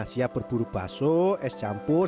siap berburu baso es campur